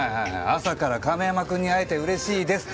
「朝から亀山君に会えてうれしいです」と？